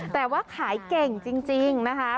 แต่ว่าขายเก่งจริงนะคะ